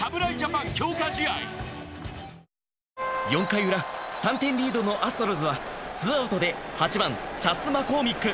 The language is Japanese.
４回ウラ３点リードのアストロズはツーアウトで８番チャス・マコーミック。